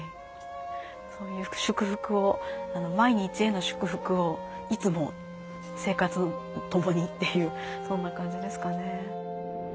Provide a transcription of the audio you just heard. そういう祝福を毎日への祝福をいつも生活とともにっていうそんな感じですかね。